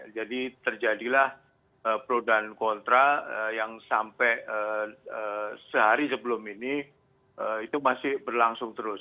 jadi terjadilah pro dan kontra yang sampai sehari sebelum ini itu masih berlangsung terus